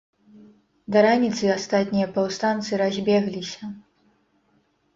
Да раніцы астатнія паўстанцы разбегліся.